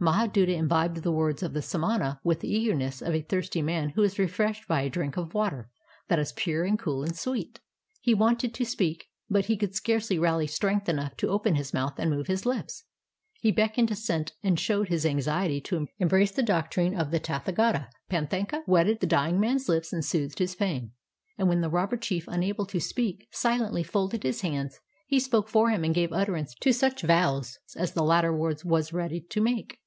Mahaduta imbibed the words of the samana with the eagerness of a thirsty man who is refreshed by a drink of water that is pure and cool and sweet. He wanted to speak, but he could scarcely rail} strength enough to open his mouth and move his lips. He beckoned assent and showed his anxiety to embrace the doctrine of the Tathagata. Panthaka wetted the d\ ing man's lips and soothed his pain, and when the robber chief, unable to speak, silently folded his hands, he spoke for him and gave utterance to such vows as the latter was ready to make.